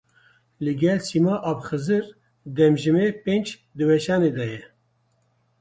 Li gel Sîma Abxizir Demjimêr pênc di weşanê de ye.